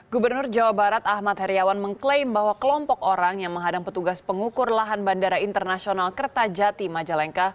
gubernur jawa barat ahmad heriawan mengklaim bahwa kelompok orang yang menghadang petugas pengukur lahan bandara internasional kertajati majalengka